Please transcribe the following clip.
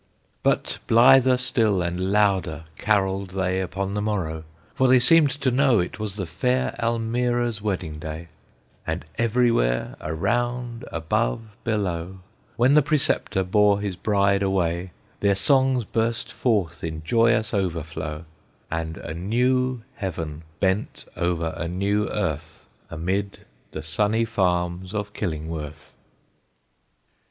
But blither still and louder carolled they Upon the morrow, for they seemed to know It was the fair Almira's wedding day, And everywhere, around, above, below, When the Preceptor bore his bride away, Their songs burst forth in joyous overflow, And a new heaven bent over a new earth Amid the sunny farms of Killingworth.